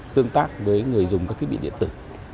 tương tác với người dùng các thiết bị điện tử